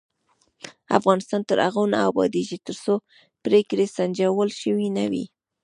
افغانستان تر هغو نه ابادیږي، ترڅو پریکړې سنجول شوې نه وي.